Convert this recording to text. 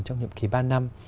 trong những kỳ ba năm